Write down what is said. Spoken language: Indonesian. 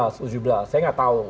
saya gak tau